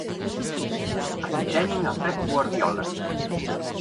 Aquí teñen a Pep Guardiola.